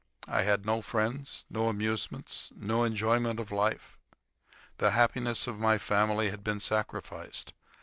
I had no friends, no amusements, no enjoyment of life. The happiness of my family had been sacrificed.